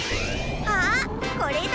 あっこれだ！